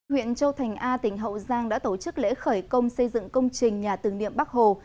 huyện châu thành a tỉnh hậu giang đã tổ chức lễ khởi công xây dựng công trình nhà tưởng niệm bắc hồ